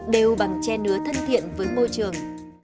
đều bằng che nứa thân thiện với môi trường